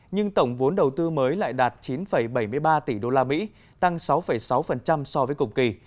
nhưng tổng vốn đầu tư mới lại đạt chín bảy mươi ba tỷ usd tăng sáu sáu so với cùng kỳ